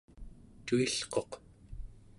cuilquq